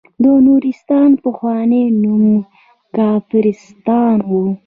د نورستان پخوانی نوم کافرستان و.